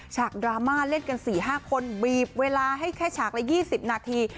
กดราม่าเล่นกัน๔๕คนบีบเวลาให้แค่ฉากละ๒๐นาที